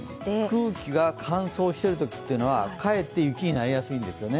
空気が乾燥しているときっていうのは、かえって雪になりやすいんです。